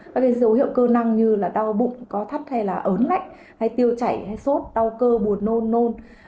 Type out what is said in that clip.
các dấu hiệu cơ năng như đau bụng có thắt hay ớn lạnh tiêu chảy sốt đau cơ buồn nôn